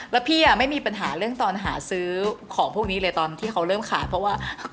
แล้วพี่ไม่มีปัญหาเรื่องตอนหาซื้อของพวกนี้เลยตอนที่เขาเริ่มขายเพราะว่า